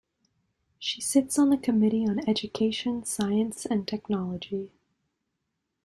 She sits on the Committee on Education, Science And Technology.